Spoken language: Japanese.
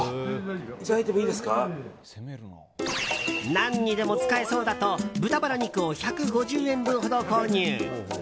何にでも使えそうだと豚バラ肉を１５０円分ほど購入。